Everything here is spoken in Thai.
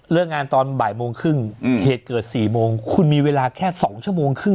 งานตอนบ่ายโมงครึ่งเหตุเกิด๔โมงคุณมีเวลาแค่๒ชั่วโมงครึ่ง